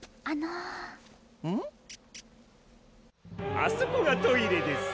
あそこがトイレです。